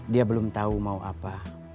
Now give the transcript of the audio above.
dia belum tahu mau apa